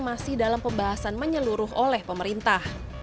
masih dalam pembahasan menyeluruh oleh pemerintah